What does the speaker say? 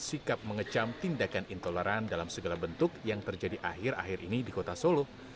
sikap mengecam tindakan intoleran dalam segala bentuk yang terjadi akhir akhir ini di kota solo